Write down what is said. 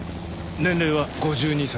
年齢は５２歳。